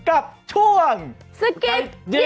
โอ้โหโอ้โห